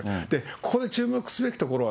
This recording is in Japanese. ここで注目すべきところは、